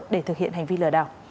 để thực hiện hành vi lừa đảo